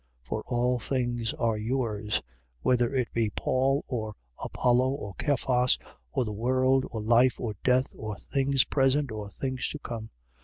3:22. For all things are yours, whether it be Paul or Apollo or Cephas, or the world, or life, or death, or things present, or things to come.